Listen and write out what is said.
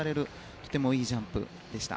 とてもいいジャンプでした。